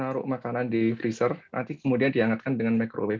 naruh makanan di freezer nanti kemudian diangatkan dengan microwave